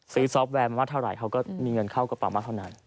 ซอฟต์แวร์มาว่าเท่าไหร่เขาก็มีเงินเข้ากระเป๋ามากเท่านั้น